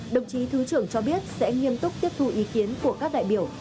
đồng chí thứ trưởng cho biết sẽ nghiêm túc tiếp thu ý kiến của các đại biểu